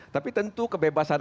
tapi tentu kebebasan